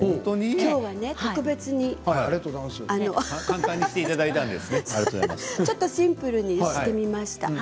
きょうは特別にシンプルにしてみました。